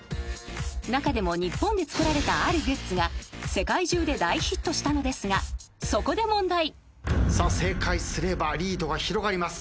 ［中でも日本で作られたあるグッズが世界中で大ヒットしたのですがそこで問題］さあ正解すればリードが広がります。